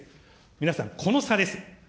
皆さん、この差です。